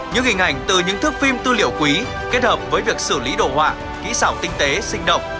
những hình ảnh từ những thước phim tư liệu quý kết hợp với việc xử lý đồ họa kỹ xảo tinh tế sinh động